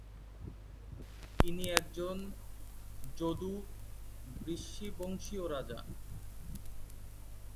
ইনি একজন যদু-বৃষ্ণিবংশীয় রাজা।